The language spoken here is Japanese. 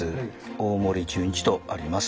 「大森潤一」とあります。